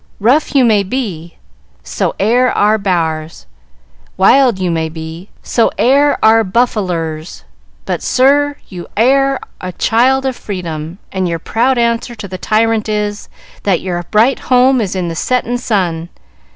Rough you may be; so air our Barrs. Wild you may be; so air our Buffalers. But, sir, you air a Child of Freedom, and your proud answer to the Tyrant is, that your bright home is in the Settin' Sun.